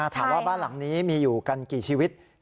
ถามว่าบ้านหลังนี้มีอยู่กันกี่ชีวิต